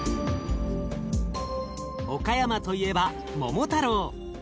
岡山といえば桃太郎。